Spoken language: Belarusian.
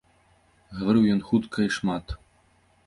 Гаварыў ён хутка і шмат.